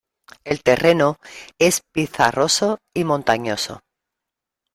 El terreno es pizarroso y montañoso.